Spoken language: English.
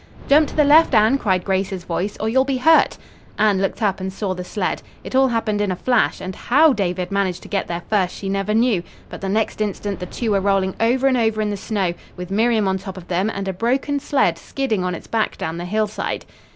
"Jump to the left, Anne," cried Grace's voice, "or you'll be hurt!" Anne looked up and saw the sled. It all happened in a flash, and how David managed to get there first she never knew; but the next instant the two were rolling over and over in the snow with Miriam on top of them and a broken sled skidding on its back down the hillside.